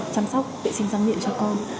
chăm sóc vệ sinh răng miệng cho con